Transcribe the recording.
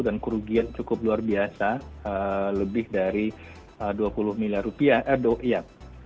dan kerugian cukup luar biasa lebih dari dua puluh miliar rupiah ee iya